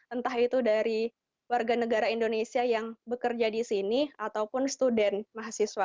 entah itu dari warga negara indonesia yang bekerja di sini ataupun student mahasiswa